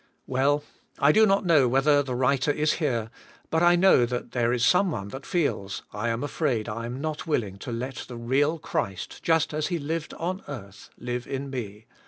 Well, I do not know whether the writer is here, but I know that there is someone that feels, I am afraid I am not willing to let the real Christ, just as He lived on earth, live in me.